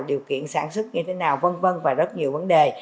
điều kiện sản xuất như thế nào v v và rất nhiều vấn đề